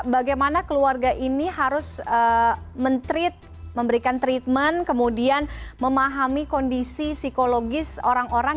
bagaimana keluarga ini harus men treat memberikan treatment kemudian memahami kondisi psikologis orang orang